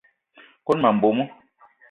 Kone ma mbomo.